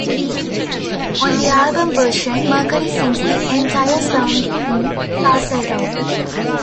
On the album version, Mercury sings the entire song in falsetto.